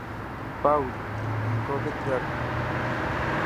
Paul, en Covent Garden.